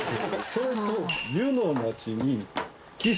それと。